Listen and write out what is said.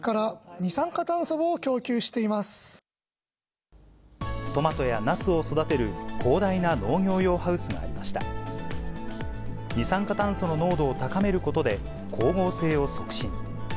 二酸化炭素の濃度を高めることで、光合成を促進。